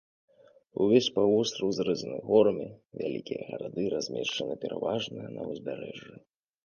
Увесь паўвостраў зрэзаны горамі, вялікія гарады размешчаны пераважна на ўзбярэжжы.